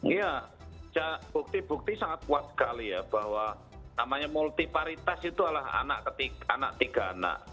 iya bukti bukti sangat kuat sekali ya bahwa namanya multiparitas itu adalah anak tiga anak